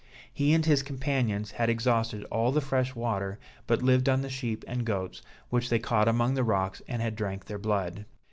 He and his companions had exhausted all the fresh water, but lived on the sheep and goats, which they caught among the rocks, and had drank their blood.